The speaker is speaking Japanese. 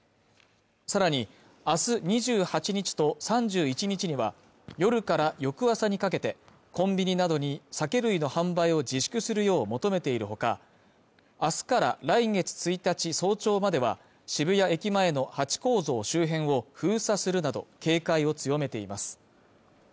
さらにあす２８日と３１日には夜から翌朝にかけてコンビニなどに酒類の販売を自粛するよう求めているほか明日から来月１日早朝までは渋谷駅前のハチ公像周辺を封鎖するなど警戒を強めています